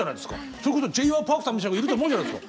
それこそＪ．Ｙ．Ｐａｒｋさんみたいな人がいると思うじゃないですか。